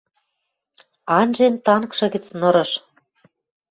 Анжен танкшы гӹц нырыш